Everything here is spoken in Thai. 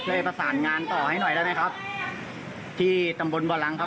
ประสานงานต่อให้หน่อยได้ไหมครับที่ตำบลบ่อรังครับ